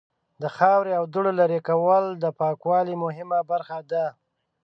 د خاورې او دوړو لرې کول د پاکوالی مهمه برخه ده.